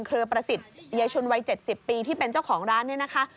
เครือประสิทธิ์ยายชุนวัย๗๐ปีที่เป็นเจ้าของร้านเนี่ยนะคะ